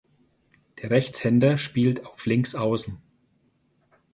Der Rechtshänder spielt auf Linksaußen.